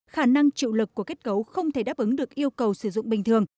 khả năng chịu lực của kết cấu không thể đáp ứng được yêu cầu sử dụng bình thường